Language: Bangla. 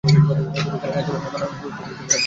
তবে, খেলার এ ধরনের মান ধরে রাখতে পারেননি।